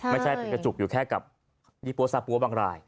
ไม่ใช่จะจุกอยู่แค่กับยิโปรซาปัวบางราย